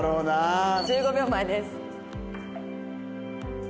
１５秒前です。